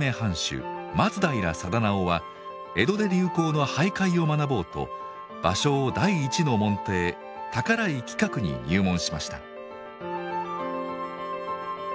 松平定直は江戸で流行の俳諧を学ぼうと芭蕉第一の門弟宝井其角に入門しました。